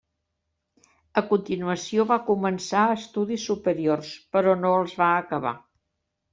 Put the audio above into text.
A continuació va començar estudis superiors, però no els va acabar.